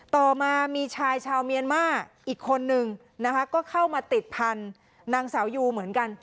ต่อมามีชายชาวเมียนมาอีกคนนึงนะคะก็เข้ามาติดพันธุ์นางสาวยูเหมือนกัน